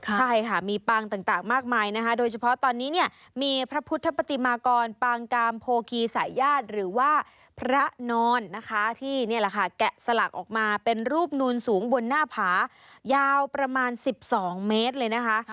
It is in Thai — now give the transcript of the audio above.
ใช่ค่ะมีปางต่างมากมายนะคะโดยเฉพาะตอนนี้เนี่ยมีพระพุทธปฏิมากรปางกามโพกีสายญาติหรือว่าพระนอนนะคะที่นี่แหละค่ะแกะสลักออกมาเป็นรูปนูนสูงบนหน้าผายาวประมาณ๑๒เมตรเลยนะคะ